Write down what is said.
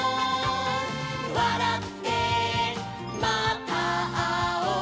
「わらってまたあおう」